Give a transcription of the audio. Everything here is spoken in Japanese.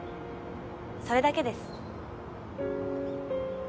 それだけです。